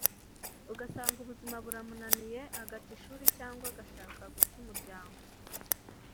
ugasanga ubuzima buramunaniye agata ishuri cyangwa agashaka guta umuryango